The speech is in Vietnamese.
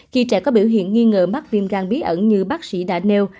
khi trẻ có biểu hiện nghi ngờ mắc viêm gan bí ẩn như bác sĩ đã nêu